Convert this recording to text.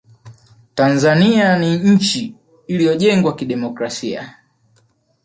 tanzania ni nchi iliyojengwa kidemokrasia